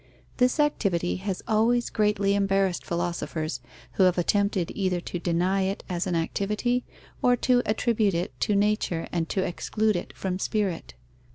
This activity has always greatly embarrassed philosophers, who have attempted either to deny it as an activity, or to attribute it to nature and to exclude it from spirit.